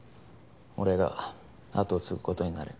俺が後を継ぐ事になる。